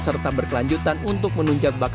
serta berkelanjutan untuk mencapai kemampuan